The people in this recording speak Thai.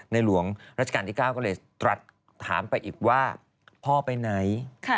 หลวงราชการที่๙ก็เลยตรัสถามไปอีกว่าพ่อไปไหน